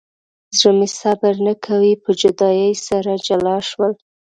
زړه مې صبر نه کوي په جدایۍ سره جلا شول.